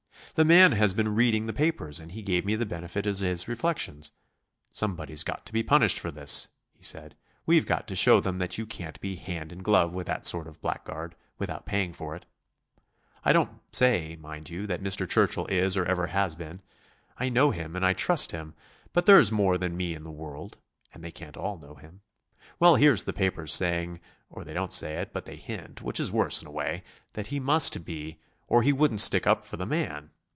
"The man has been reading the papers and he gave me the benefit of his reflections. 'Someone's got to be punished for this;' he said, 'we've got to show them that you can't be hand and glove with that sort of blackguard, without paying for it. I don't say, mind you, that Mr. Churchill is or ever has been. I know him, and I trust him. But there's more than me in the world, and they can't all know him. Well, here's the papers saying or they don't say it, but they hint, which is worse in a way that he must be, or he wouldn't stick up for the man.